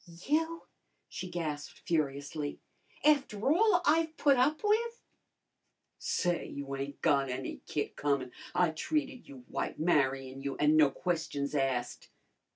"You?" she gasped furiously. "After all I've put up with!" "Say, you ain't got any kick comin'! I treated you white, marryin' you, an' no questions asked."